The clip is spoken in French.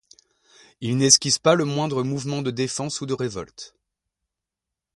Ils n'esquissent pas le moindre mouvement de défense ou de révolte.